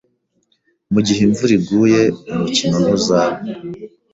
Mugihe imvura iguye, umukino ntuzaba